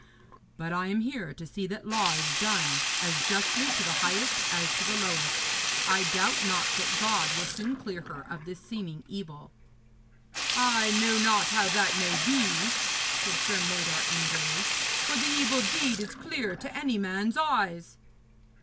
But I am here to see that law is done, as justly to the highest as to the lowest. I doubt not that God will soon clear her of this seeming evil.' 'I know not how that may be,' said Sir Mador angrily, 'for the evil deed is clear to any man's eyes.'